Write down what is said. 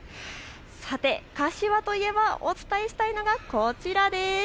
さて、柏といえばお伝えしたいのがこちら。